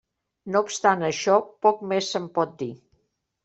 No obstant això, poc més se'n pot dir.